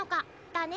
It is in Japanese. だね。